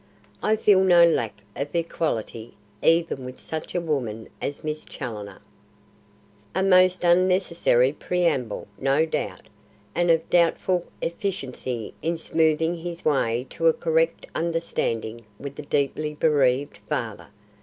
I feel no lack of equality even with such a woman as Miss Challoner." A most unnecessary preamble, no doubt, and of doubtful efficacy in smoothing his way to a correct understanding with the deeply bereaved father.